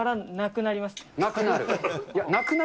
なくなる？